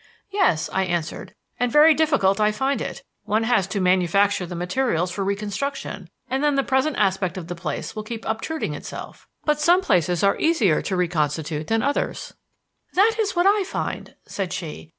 "Yes," I answered, "and very difficult I find it. One has to manufacture the materials for reconstruction, and then the present aspect of the place will keep obtruding itself. But some places are easier to reconstitute than others." "That is what I find," said she.